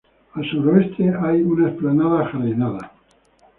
Al sureste hay una explanada ajardinada.